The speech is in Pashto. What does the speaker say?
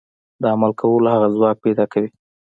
د عمل کولو هغه ځواک پيدا کوي.